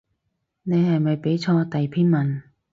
你係咪畀錯第篇文